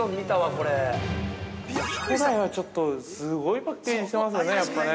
◆これ、初代はちょっと、すごいパッケージしていますね、やっぱりね。